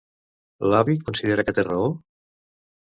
L'avi considera que té raó?